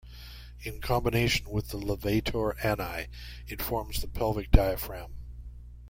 In combination with the levator ani, it forms the pelvic diaphragm.